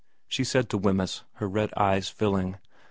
she said to Wemyss, her red eyes filling.